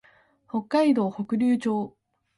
北海道北竜町